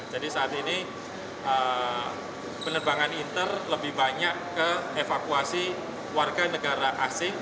jadi saat ini penerbangan inter lebih banyak ke evakuasi warga negara asing